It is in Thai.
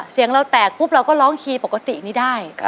เสียงเราแตกปุ๊บเราก็ร้องคีย์ปกตินี้ได้